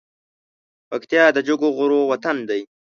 پکتيا د جګو غرو وطن دی